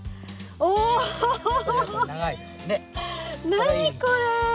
何これ！